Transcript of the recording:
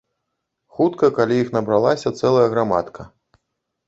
Хутка каля іх набралася цэлая грамадка.